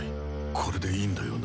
これでいいんだよな